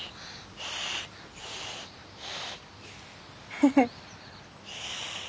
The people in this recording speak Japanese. フフッ。